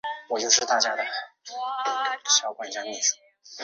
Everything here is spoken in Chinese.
今敏后来认为此漫画并不成功。